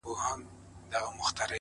يې په ملا باندې درانه لفظونه نه ايږدمه!